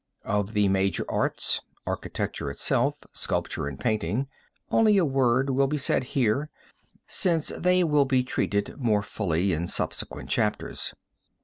Of the major arts architecture itself, sculpture and painting only a word will be said here since they will be treated more fully in subsequent chapters.